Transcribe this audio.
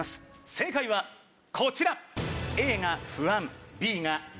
正解はこちら。